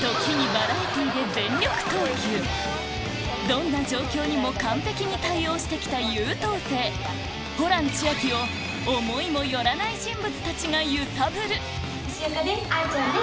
どんな状況にも完璧に対応して来た優等生ホラン千秋を思いも寄らない人物たちが揺さぶるかしゆかです！